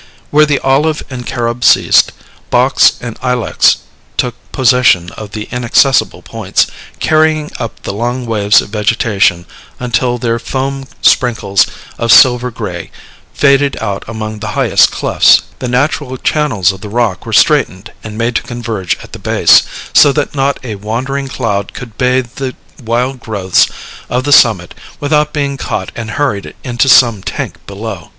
Where the olive and the carob ceased, box and ilex took possession of the inaccessible points, carrying up the long waves of vegetation until their foam sprinkles of silver gray faded out among the highest clefts. The natural channels of the rock were straightened and made to converge at the base, so that not a wandering cloud could bathe the wild growths of the summit without being caught and hurried into some tank below.